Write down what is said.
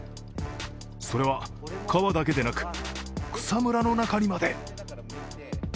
それは川だけでなく草むらの中にまで。